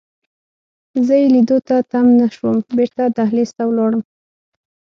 زه یې لیدو ته تم نه شوم، بیرته دهلېز ته ولاړم.